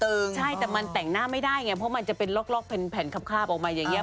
ดูผิวตึงใช่แต่มันแต่งหน้าไม่ได้อย่างเงี้ยเพราะมันจะเป็นรอกเป็นแผ่นคราบออกมาอย่างเงี้ย